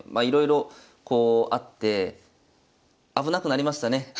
いろいろこうあって危なくなりましたね。